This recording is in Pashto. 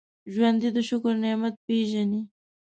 ژوندي د شکر نعمت پېژني